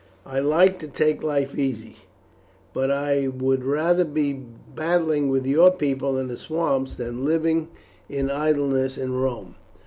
I like to take life easily, but I would rather be battling with your people in the swamps than living in idleness in Rome."